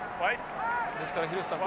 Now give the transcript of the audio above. ですから廣瀬さん